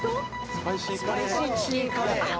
スパイシーカレー。